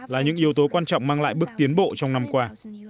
là những yếu tố quan trọng mang lại bước tiến bộ trong năm qua